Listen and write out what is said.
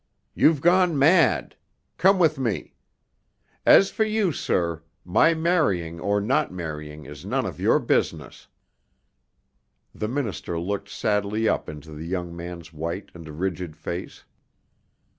"You've gone mad. Come with me. As for you, sir, my marrying or not marrying is none of your business " The minister looked sadly up into the young man's white and rigid face.